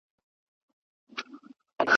قران کريم غوندي عظيم کتاب مو درکړ.